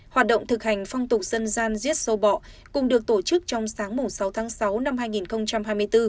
hoạt động thực hành phong tục dân gian diết sâu bọ cùng được tổ chức trong sáng sáu tháng sáu năm hai nghìn hai mươi bốn